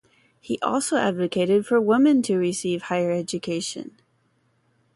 He also advocated for women to receive higher education.